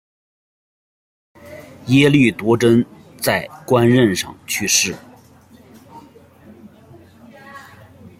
耶律铎轸在官任上去世。